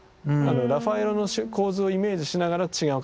ラファエロの構図をイメージしながら違う形で。